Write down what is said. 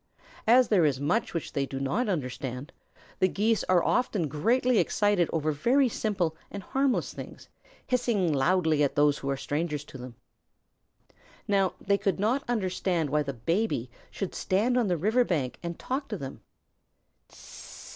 As there is much which they do not understand, the Geese are often greatly excited over very simple and harmless things, hissing loudly at those who are strangers to them. Now they could not understand why the Baby should stand on the river bank and talk to them.